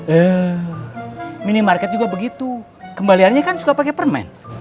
eh minimarket juga begitu kembaliannya kan suka pakai permen